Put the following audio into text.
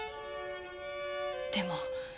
でも。